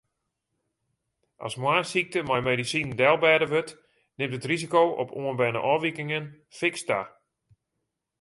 As moarnssykte mei medisinen delbêde wurdt, nimt it risiko op oanberne ôfwikingen fiks ta.